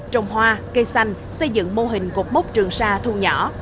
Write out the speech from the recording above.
trồng hoa cây xanh xây dựng mô hình cục bốc trường sa thu nhỏ